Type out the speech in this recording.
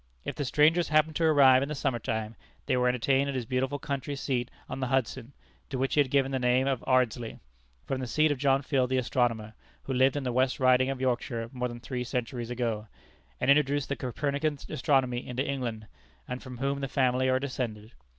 If the strangers happened to arrive in the summer time, they were entertained at his beautiful country seat on the Hudson, to which he had given the name of "Ardsley," from the seat of John Field the astronomer, who lived in the West Riding of Yorkshire more than three centuries ago, and introduced the Copernican astronomy into England, and from whom the family are descended.